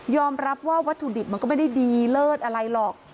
รับว่าวัตถุดิบมันก็ไม่ได้ดีเลิศอะไรหรอก